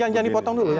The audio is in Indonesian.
jangan dipotong dulu